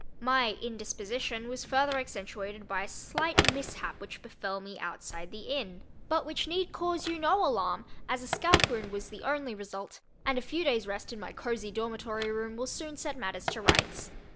My indisposition was further accentuated by a slight mishap which befell me outside the Inn but which need cause you no alarm as a scalp wound was the only result and a few days' rest in my cozy dormitory room will soon set matters to rights.